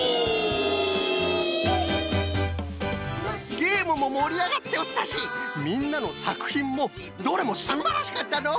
ゲームももりあがっておったしみんなのさくひんもどれもすんばらしかったのう！